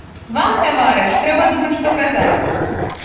Вам, таварыш, трэба думаць, што казаць.